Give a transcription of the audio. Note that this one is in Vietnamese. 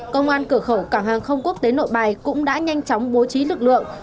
công an cửa khẩu cảng hàng không quốc tế nội bài cũng đã nhanh chóng bố trí lực lượng